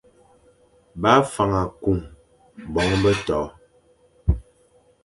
Bâ fwan akung bongo be toʼo.